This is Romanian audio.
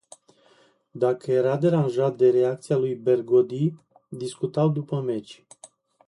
Dacă era deranjat de reacția lui Bergodi, discutau după meci.